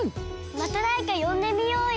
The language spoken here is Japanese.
まただれかよんでみようよ！